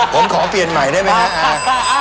ผมขอเปลี่ยนใหม่ได้ไหมครับ